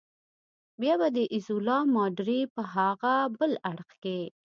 بیا به د ایزولا ماډرې په هاغه بل اړخ کې.